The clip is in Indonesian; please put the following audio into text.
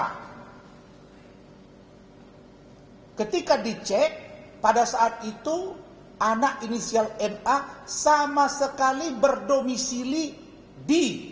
hai ketika dicek pada saat itu anak inisial n a sama sekali berdomisili di